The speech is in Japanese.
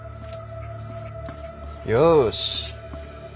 よし。